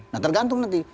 nah tergantung nanti